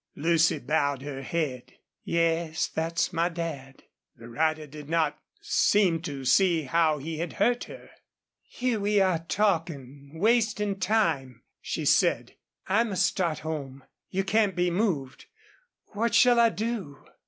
Lucy bowed her head. "Yes, that's my dad." The rider did not seem to see how he had hurt her. "Here we are talking wasting time," she said. "I must start home. You can't be moved. What shall I do?"